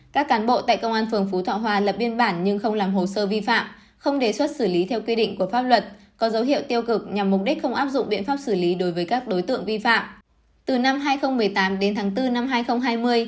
các cán bộ tại công an phường phú thọ hòa lập biên bản nhưng không làm hồ sơ vi phạm không đề xuất xử lý theo quy định của pháp luật có dấu hiệu tiêu cực nhằm mục đích không áp dụng biện pháp xử lý đối với các đối tượng vi phạm